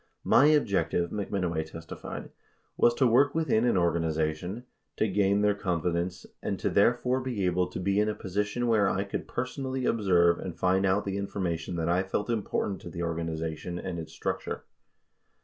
"My objective", McMino way testified, "was to work within an organization, to gain their con fidence and to therefore be able to be in a position where I could per sonally observe and find out the information that I felt important to the organization and its structure."